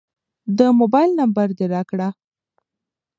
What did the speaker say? د موبایل نمبر دې راکړه.